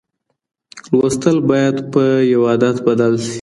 لوستل باید په یو عادت بدل سي.